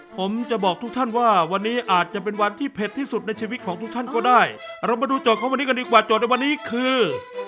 ผมจะบอกทุกท่านว่าวันนี้อาจจะเป็นวันที่เผ็ดที่สุดในชีวิตของทุกท่านก็ได้เรามาดูโจทย์ของวันนี้กันดีกว่าโจทย์ในวันนี้คือ